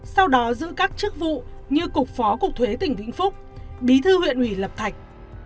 sau đó giữ các chức vụ như cục phó cục thuế tỉnh vĩnh phúc bí thư huyện ủy lập thạch